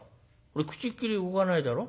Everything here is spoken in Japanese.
口っきり動かないだろ。